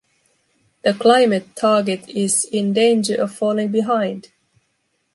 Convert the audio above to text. The climate target is in danger of falling behind.